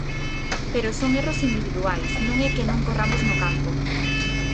Pero son erros individuais, non é que non corramos no campo.